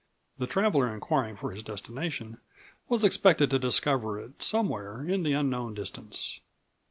The traveler inquiring for his destination was expected to discover it somewhere in the unknown distance.